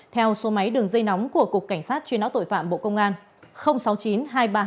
theo số máy đường dây nóng của cục cảnh sát truy nã tội phạm bộ công an